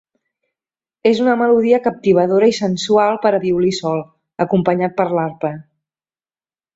És una melodia captivadora i sensual per a violí sol, acompanyat per l'arpa.